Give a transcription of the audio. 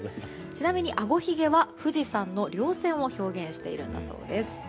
ちなみにあごひげは富士山の稜線を表現しているんだそうです。